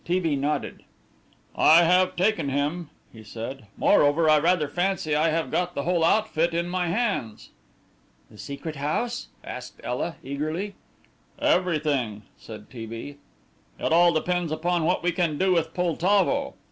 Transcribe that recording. T. B. nodded. "I have taken him," he said; "moreover, I rather fancy I have got the whole outfit in my hands." "The Secret House?" asked Ela eagerly. "Everything," said T. B.; "it all depends upon what we can do with Poltavo.